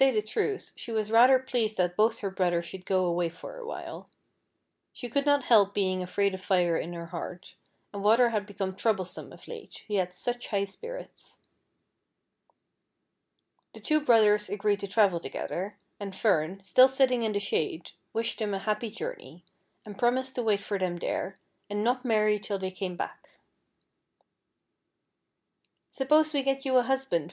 107 the trutli, she was rather pleased that both her brotliers should go away for a while. She could not help being afraid of Fire in her heart, and Water had become troublesome o{ late, he had such high spirits. The two brothers agreed to travel together, and Fern, still sitting in the shade, wished them a liapp\ journey, and promised to wait for them there, and not marry till they came back. " Suppose we get you a husband.